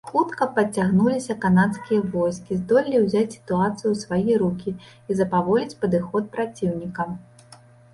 Хутка падцягнутыя канадскія войскі здолелі ўзяць сітуацыю ў свае рукі і запаволіць падыход праціўніка.